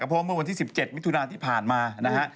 เพราะว่าเมื่อวันที่๑๗มิถุนาที่ผ่านมานะฮะ